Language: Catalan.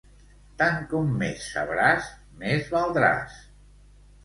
Tant com més sabràs, més valdràs.